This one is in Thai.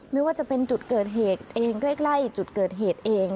ไม่ว่าจะเป็นจุดเกิดเหตุเองใกล้จุดเกิดเหตุเอง